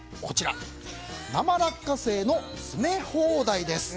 生落花生の詰め放題です。